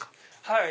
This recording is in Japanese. はい。